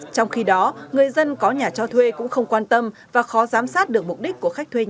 trong khi đó người dân có nhà cho thuê cũng không quan tâm và khó giám sát được mục đích của khách thuê nhà